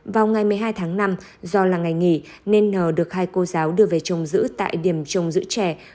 vào ngày một mươi hai tháng năm do là ngày nghỉ nên n được hai cô giáo đưa về trồng giữ tại điểm trông giữ trẻ